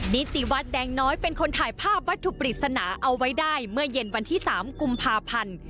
นิติวัตรแดงน้อยเป็นคนถ่ายภาพวัตถุปริศนาเอาไว้ได้เมื่อเย็นวันที่๓กุมภาพันธ์